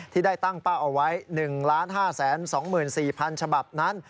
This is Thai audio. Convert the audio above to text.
ที่ได้ตั้งเป้าเอาไว้๑๕๒๔๐๐๐ฉบับนั้น